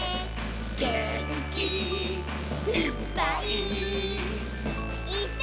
「げんきいっぱい」「いっしょにうたおう！」